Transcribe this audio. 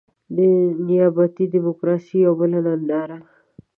د نيابتي ډيموکراسۍ يوه بله ننداره.